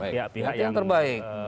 baik yang terbaik